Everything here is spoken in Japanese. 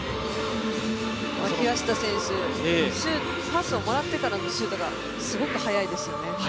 平下選手、パスをもらってからのシュートがすごく速いですよね。